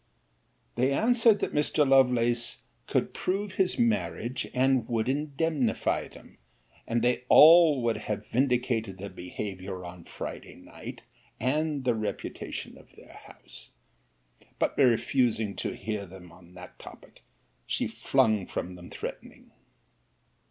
— 'They answered that Mr. Lovelace could prove his marriage, and would indemnify them. And they all would have vindicated their behaviour on Friday night, and the reputation of their house. But refusing to hear them on that topic, she flung from them threatening.